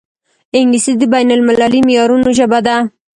انګلیسي د بین المللي معیارونو ژبه ده